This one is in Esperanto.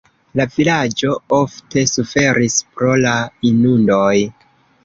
La vilaĝo ofte suferis pro la inundoj.